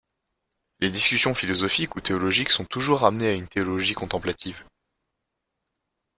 Les discussions philosophiques ou théologiques sont toujours ramenées à une théologie contemplative.